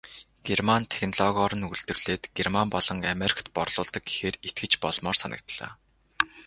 Герман технологиор нь үйлдвэрлээд Герман болон Америкт борлуулдаг гэхээр итгэж болмоор санагдлаа.